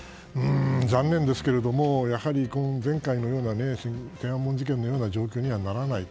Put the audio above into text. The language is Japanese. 残念ですけどやはり前回の天安門事件のような事件にならないと。